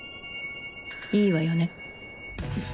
いいわよね？